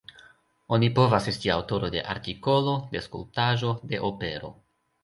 Oni povas esti aŭtoro de artikolo, de skulptaĵo, de opero.